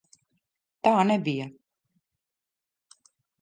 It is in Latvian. Tā nebija!